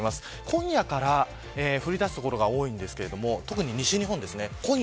今夜から降りだす所が多いんですけど特に西日本です。